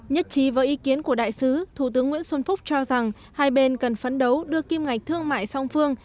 nhất trí với ý kiến của đại sứ thủ tướng nguyễn xuân phúc cho rằng hai bên cần phấn đấu đưa kim ngạch thương mại song phương